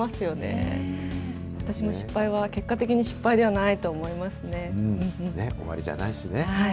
私も失敗は、結果的に失敗で終わりじゃないしね。